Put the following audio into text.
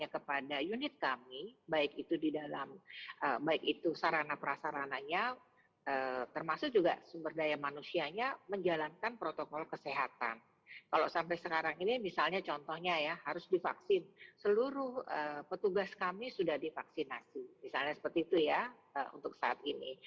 kalau sampai sekarang ini misalnya contohnya ya harus divaksin seluruh petugas kami sudah divaksinasi misalnya seperti itu ya untuk saat ini